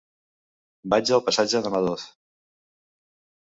Vaig al passatge de Madoz.